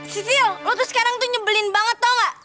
sisil lo tuh sekarang tuh nyebelin banget tau gak